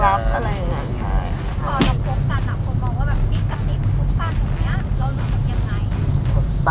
พอเราพบกันอะผมมองว่าแบบนี่กับนี่คุณฟันตัวเนี่ยเรารู้ว่ามันยังไง